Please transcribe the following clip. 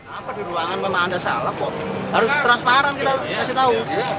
apa di ruangan memang anda salah kok harus transparan kita kasih tahu